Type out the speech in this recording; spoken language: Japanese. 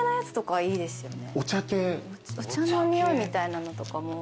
お茶の匂いみたいなのとかも。